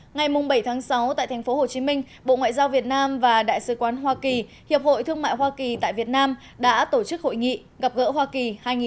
ngày bảy sáu tại tp hcm bộ ngoại giao việt nam và đại sứ quán hoa kỳ hiệp hội thương mại hoa kỳ tại việt nam đã tổ chức hội nghị gặp gỡ hoa kỳ hai nghìn một mươi chín